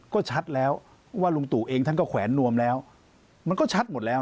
ก็ชัดแล้วว่าลุงตู่เองท่านก็แขวนนวมแล้วมันก็ชัดหมดแล้ว